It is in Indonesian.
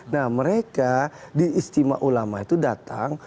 nah mereka diistimak ulama itu datang